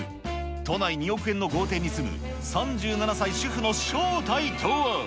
都内２億円の豪邸に住む３７歳主婦の正体とは。